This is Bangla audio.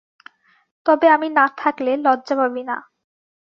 তবে আমি না থাকলে, লজ্জা পাবি না।